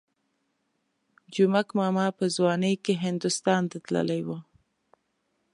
جومک ماما په ځوانۍ کې هندوستان ته تللی وو.